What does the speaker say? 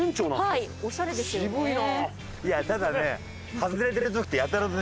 いやただね。